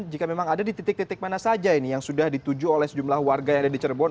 jika memang ada di titik titik mana saja ini yang sudah dituju oleh sejumlah warga yang ada di cirebon